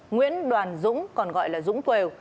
nguyễn đoàn dũng còn gọi là dũng tuều